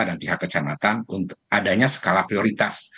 dan pihak kecamatan untuk adanya skala prioritas